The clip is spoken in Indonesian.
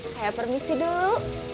saya permisi dulu